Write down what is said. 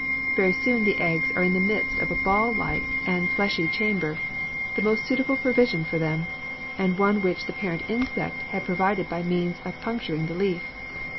Very soon the eggs are in the midst of a ball like and fleshy chamber the most suitable provision for them, and one which the parent insect had provided by means of puncturing the leaf.